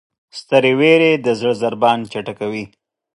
سترې وېرې د زړه ضربان چټکوي.